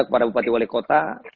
kepada bupati wali kota